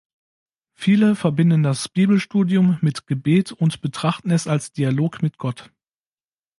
Viele verbinden das Bibelstudium mit Gebet und betrachten es als Dialog mit Gott.